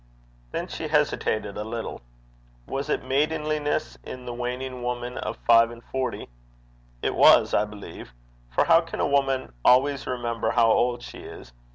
Then she hesitated a little. Was it maidenliness in the waning woman of five and forty? It was, I believe; for how can a woman always remember how old she is?